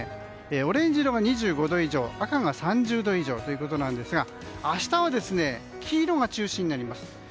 オレンジ色が２５度以上赤が３０度以上ということなんですが明日は黄色が中心になります。